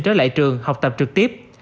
trở lại trường học tập trực tiếp